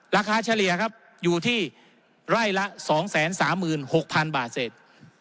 ราคาเฉลี่ยอยู่ที่ไร่ละ๒๓๖๐๐๐บาทเสร็จ